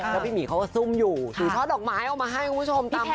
เขาก็ซุ่มอยู่ถูช็อดดอกไม้ออกมาให้คุณผู้ชมตามภาพ